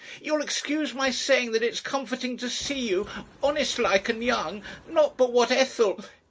"You'll excuse my saying that it's comforting to see you honest like and young. Not but what Ethel